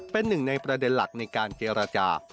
เป็นหนึ่งในประเด็นหลักในการเจรจา